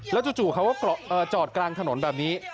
จู่เขาก็จอดกลางถนนแบบนี้